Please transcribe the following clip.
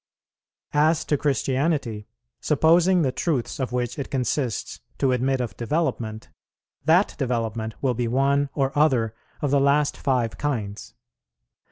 As to Christianity, supposing the truths of which it consists to admit of development, that development will be one or other of the last five kinds.